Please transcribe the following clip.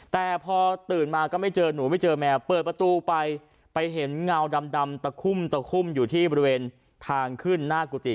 แต่พอตื่นมาก็ไม่เจอหนูไม่เจอแมวเปิดประตูไปไปเห็นเงาดำตะคุ่มตะคุ่มอยู่ที่บริเวณทางขึ้นหน้ากุฏิ